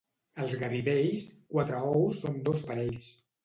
Als Garidells, quatre ous són dos parells.